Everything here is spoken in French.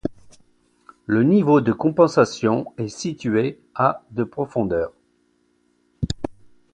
Le niveau de compensation est situé à de profondeur.